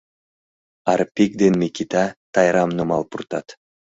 Арпик ден Микита Тайрам нумал пуртат.